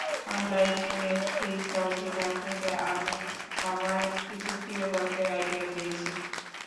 অনলাইনের Netflix original থেকে আমি আমার কিছু প্রিয় গল্পের আইডিয়া পেয়েছি।